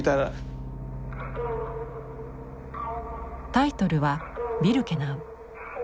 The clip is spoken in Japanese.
タイトルは「ビルケナウ」。